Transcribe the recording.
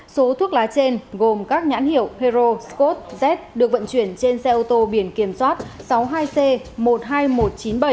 số thuốc lá trên gồm các nhãn hiệu hero scot z được vận chuyển trên xe ô tô biển kiểm soát sáu mươi hai c một mươi hai nghìn một trăm chín mươi bảy